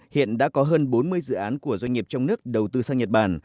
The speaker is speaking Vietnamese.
hiện đã có hơn bốn mươi dự án của doanh nghiệp trong nước đầu tư sang nhật bản